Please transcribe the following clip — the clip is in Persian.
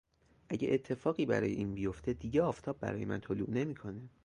اگه اتفاقی برای این بیفته دیگه آفتاب برای من طلوع نمیکنه